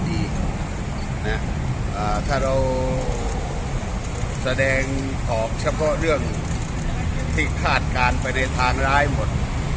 ถ้าเราแสดงออกเฉพาะเรื่องที่คาดการณ์ไปในทางร้ายหมด